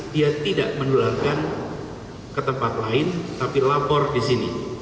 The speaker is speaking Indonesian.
dia tidak menularkan ke tempat lain tapi lapor di sini